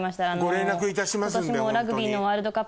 ご連絡いたします。